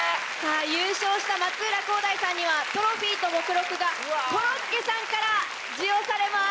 優勝した松浦航大さんにはトロフィーと目録がコロッケさんから授与されます。